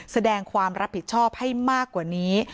แสดงความรับผิดชอบให้มากกว่านี้